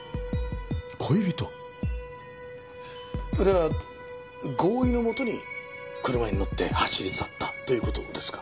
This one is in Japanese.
恋人？では合意のもとに車に乗って走り去ったという事ですか？